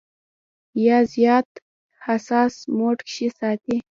يا زيات حساس موډ کښې ساتي -